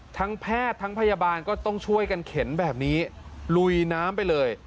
แพทย์ทั้งพยาบาลก็ต้องช่วยกันเข็นแบบนี้ลุยน้ำไปเลย